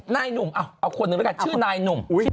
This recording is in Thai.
นายหนุ่มเอาคนหนึ่งแล้วกันชื่อนายหนุ่ม